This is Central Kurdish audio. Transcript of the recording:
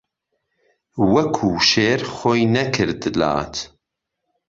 وهکوو شێر خۆی نهکرد لات